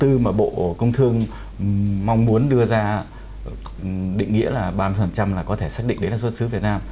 thứ mà bộ công thương mong muốn đưa ra định nghĩa là ba mươi là có thể xác định đấy là xuất xứ việt nam